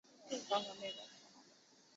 他甚至不再是一匹马了。